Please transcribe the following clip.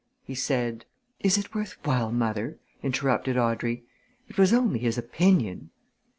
He said " "Is it worth while, mother?" interrupted Audrey. "It was only his opinion."